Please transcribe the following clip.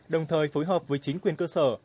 đồng thời phối hợp với chính quyền cơ sở